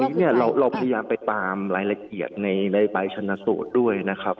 ทีนี้เนี่ยเราพยายามไปตามรายละเอียดในใบชนสูตรด้วยนะครับ